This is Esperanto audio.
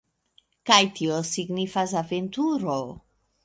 Kaj tio signifas aventuro!